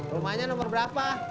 rumahnya nomor berapa